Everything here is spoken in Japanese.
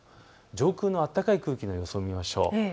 上空の暖かい空気の予想を見ましょう。